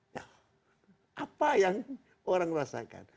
ya apa yang orang rasakan